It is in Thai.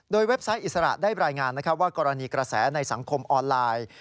โดยเว็บไซต์อิสระได้รายงานว่ากรณีกระแสในสังคมออนไลน์